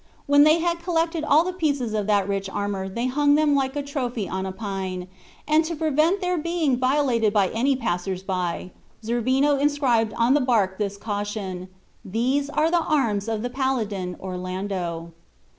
When they had collected all the pieces of that rich armor they hung them like a trophy on a pine; and to prevent their being violated by any passers by, Zerbino inscribed on the bark this caution: "These are the arms of the Paladin Orlando."